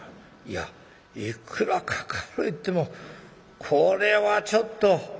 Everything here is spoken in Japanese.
「いやいくらかかるいってもこれはちょっと。